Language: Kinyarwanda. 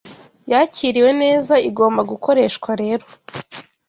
yakiriwe neza igomba gukoreshwa rero